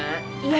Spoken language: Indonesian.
ya ini untuk